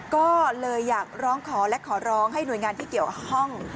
ก็เลยอยากร้องขอและขอร้องให้หน่วยงานที่เกี่ยวข้อง